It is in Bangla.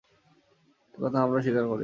এ কথা আমরা স্বীকার করি।